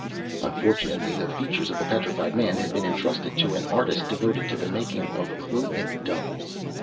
Unfortunately, the features of the Petrified Man had been entrusted to an artist devoted to the making of clothing dummies.